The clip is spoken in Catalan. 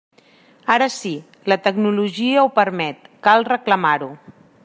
Ara sí, la tecnologia ho permet, cal reclamar-ho.